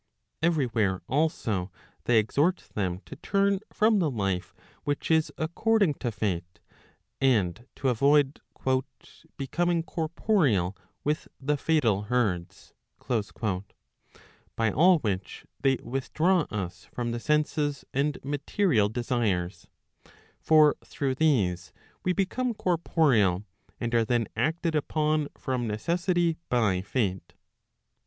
Every where also, they exhort them to turn from the life which is according to Fate, and to avoid " becoming corpo¬ real with the fatal herds;" by all which they withdraw us from the senses and material desires; for through these we become corporeal, and are /• then acted upon from necessity by Fate.